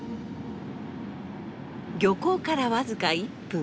漁港から僅か１分。